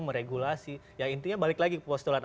meregulasi ya intinya balik lagi ke posturan